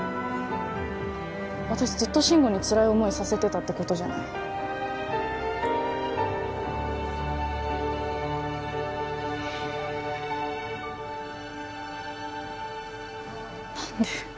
私ずっと慎吾につらい思いさせてたってことじゃないえっ